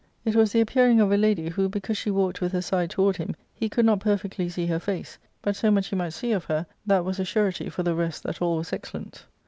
It was the appearing of a lady, who, be > cause she walked with her side toward him, he could not / perfectly see her face, but so much he might see of her that / was a surety for the rest that all w^s excellent.